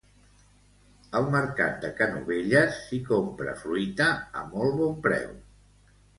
Al mercat de Canovelles s'hi compra fruita a molt bon preu